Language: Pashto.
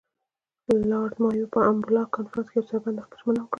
لارډ مایو په امباله کنفرانس کې یوه څرګنده ژمنه وکړه.